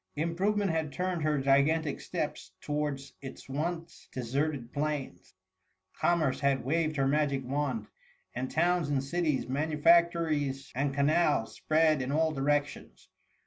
Improvement had turned her gigantic steps to wards its once deserted plains ; Commerce had waved her magic wand ; and towns and cities, manufactories and canals, spread in all directions.